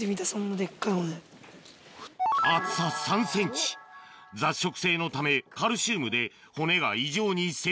厚さ３ｃｍ雑食性のためカルシウムで骨が異常に成長